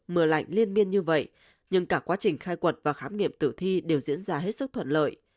mưa lạnh liên biên như vậy nhưng cả quá trình khai quật và khám nghiệm tử thi đều diễn ra hết sức thuận lợi